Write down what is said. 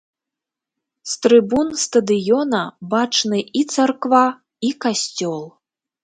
З трыбун стадыёна бачны і царква, і касцёл.